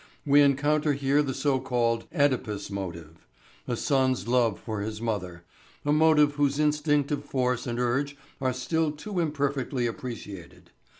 We encounter here the so called "Oedipus motive," a son's love for his mother a motive whose instinctive force and urge are still too imperfectly appreciated.